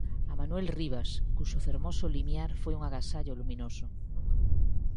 A Manuel Rivas, cuxo fermoso limiar foi un agasallo luminoso.